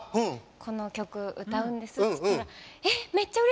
この曲、歌うんですって言ったらえ！